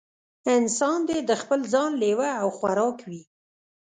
انسان دې د خپل ځان لېوه او خوراک وي.